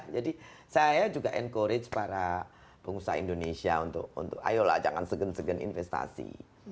jadi saya juga encourage para pengusaha indonesia untuk ayolah jangan segen segen investasi